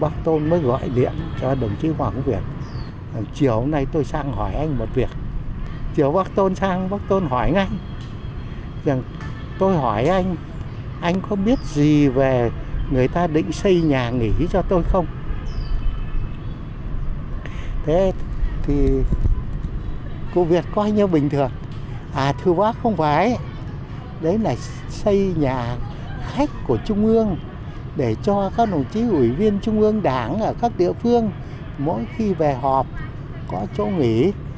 cô việt coi như bình thường à thưa bác không phải đấy là xây nhà khách của trung ương để cho các đồng chí ủy viên trung ương đảng các địa phương mỗi khi về họp có chỗ nghỉ